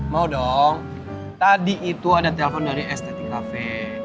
mau dong tadi itu ada telepon dari estetik cafe